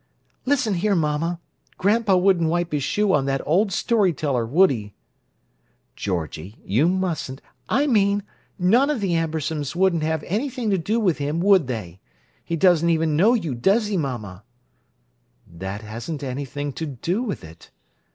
"Listen here, mamma; grandpa wouldn't wipe his shoe on that ole story teller, would he?" "Georgie, you mustn't—" "I mean: none of the Ambersons wouldn't have anything to do with him, would they? He doesn't even know you, does he, mamma?" "That hasn't anything to do with it."